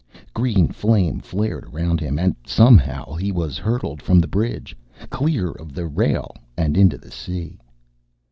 Green flame flared around him; and somehow he was hurled from the bridge, clear of the rail and into the sea.